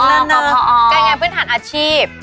การงานพื้นฐานอาชีพ